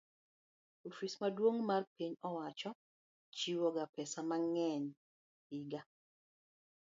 Ofis maduong' mar piny owacho chiwoga pesa mang'eny higa